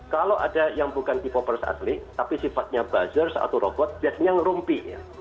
kalau ada yang bukan k popers asli tapi sifatnya buzzer satu robot biasanya ngerumpi ya